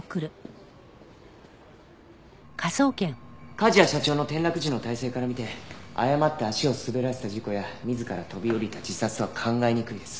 梶谷社長の転落時の体勢から見て誤って足を滑らせた事故や自ら飛び降りた自殺とは考えにくいです。